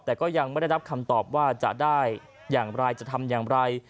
แต่ก็ยังไม่ได้รับคำตอบว่าจะได้อย่างไรจะทำอย่างไร